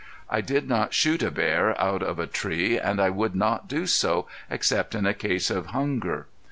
I did not shoot a bear out of a tree and I would not do so, except in a case of hunger.